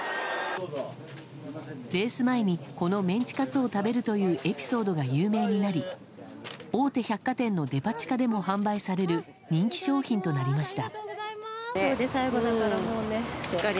レース前にこのメンチカツを食べるというエピソードが有名になり大手百貨店のデパ地下でも販売される人気商品となりました。